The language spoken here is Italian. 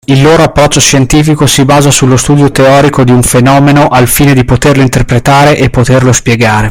Il loro approccio scientifico si basa sullo studio teorico di un fenomeno al fine di poterlo interpretare e poterlo spiegare.